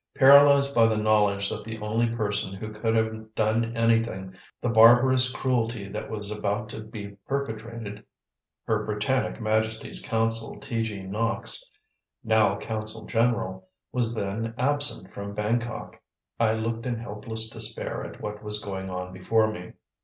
Paralyzed by the knowledge that the only person who could have done anything to mitigate the barbarous cruelty that was about to be perpetrated her Britannic Majesty's Consul, T.G. Knox, now Consul General was then absent from Bangkok, I looked in helpless despair at what was going on before me.